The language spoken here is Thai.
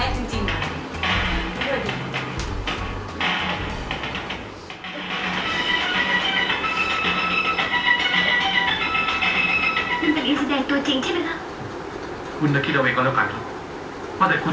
เป็นลูกคุณอิทธิ์บนเดือด